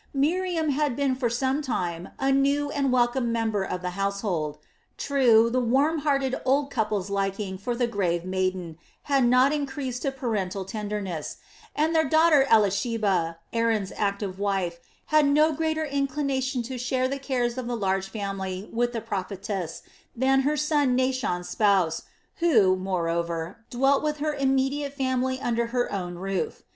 Miriam had been for some time a new and welcome member of the household. True, the warm hearted old couple's liking for the grave maiden had not increased to parental tenderness, and their daughter Elisheba, Aaron's active wife, had no greater inclination to share the cares of the large family with the prophetess than her son Naashon's spouse, who, moreover, dwelt with her immediate family under her own roof.